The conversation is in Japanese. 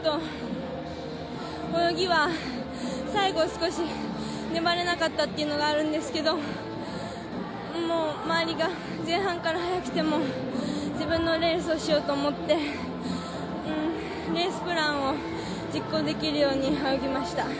泳ぎは、最後少し粘れなかったっていうのがあるんですけどもう周りが前半から速くても自分のレースをしようと思ってレースプランを実行できるように泳ぎました。